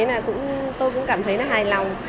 tôi cũng cảm thấy hài lòng